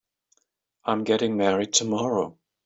I'm getting married tomorrow.